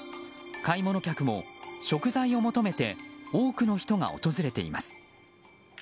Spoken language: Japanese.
買い物客も食材を求めて多くの人が訪れています。